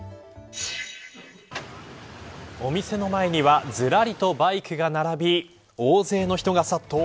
お店の前にはずらりとバイクが並び大勢の人が殺到。